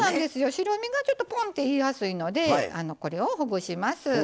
白身がぽんっていきやすいのでこれをほぐします。